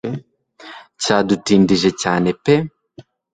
cyadutindije cyane pe